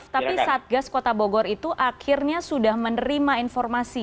tapi satgas kota bogor itu akhirnya sudah menerima informasi